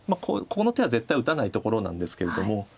この手は絶対打たないところなんですけれども。